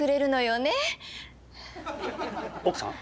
奥さん？